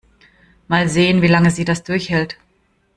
Mal sehen, wie lange sie das durchhält.